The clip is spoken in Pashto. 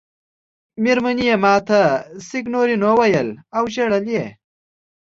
مېرمنې یې ما ته سېګنورینو وویل او ژړل یې.